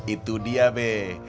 itu dia be